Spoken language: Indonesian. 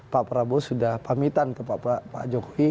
pak prabowo sudah pamitan ke pak jokowi